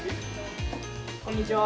こんにちは。